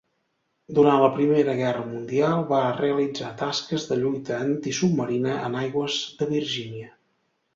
Durant la Primera Guerra Mundial va realitzar tasques de lluita antisubmarina en aigües de Virgínia.